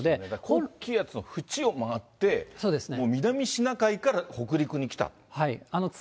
高気圧の縁を回って、南シナ海から北陸に来た。